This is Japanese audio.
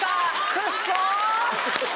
クッソ。